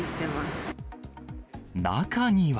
中には。